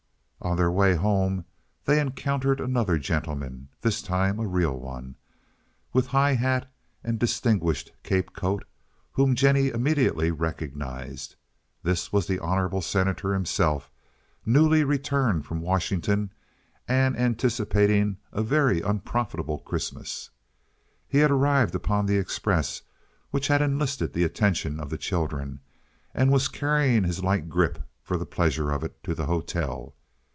On their way home they encountered another gentleman, this time a real one, with high hat and distinguished cape coat, whom Jennie immediately recognized. This was the honorable Senator himself, newly returned from Washington, and anticipating a very unprofitable Christmas. He had arrived upon the express which had enlisted the attention of the children, and was carrying his light grip for the pleasure of it to the hotel.